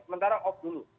sementara off dulu